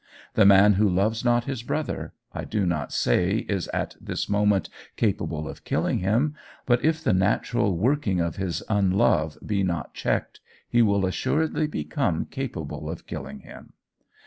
The man who loves not his brother, I do not say is at this moment capable of killing him, but if the natural working of his unlove be not checked, he will assuredly become capable of killing him.